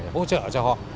để hỗ trợ cho họ